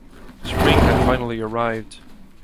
Spring had finally arrived.